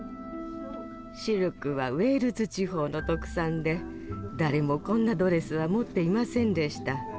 シルクはウェールズ地方の特産で誰もこんなドレスは持っていませんでした。